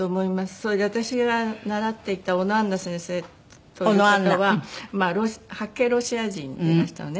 それで私が習っていた小野アンナ先生という方は白系ロシア人でいらしたのね。